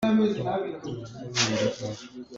Na angki lingmaw zawng maw a si a sen?